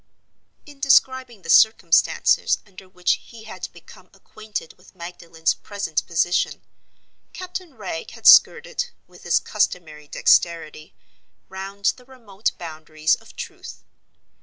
In describing the circumstances under which he had become acquainted with Magdalen's present position, Captain Wragge had skirted, with his customary dexterity, round the remote boundaries of truth.